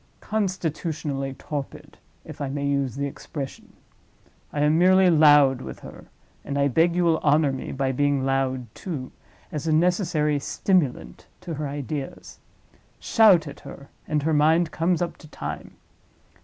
Constitutionally torpid—if I may use the expression. I am merely loud with her (and I beg you will honor me by being loud, too) as a necessary stimulant to her ideas. Shout at her—and her mind comes up to time.